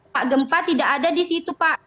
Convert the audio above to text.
pak gempa tidak ada disitu pak